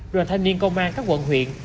đoàn thanh niên công an các quận huyện